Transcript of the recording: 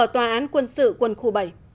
tòa án quân sự quần khu bảy